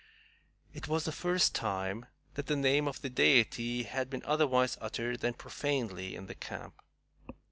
It was the first time that the name of the Deity had been otherwise uttered than profanely in the camp.